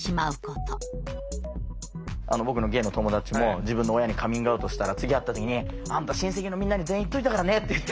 僕のゲイの友達も自分の親にカミングアウトしたら次会った時に「あんた親戚のみんなに全員言っといたからね」って言って。